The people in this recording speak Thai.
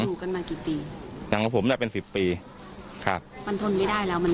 อยู่กันมากี่ปีอย่างกับผมน่ะเป็นสิบปีครับมันทนไม่ได้แล้วมัน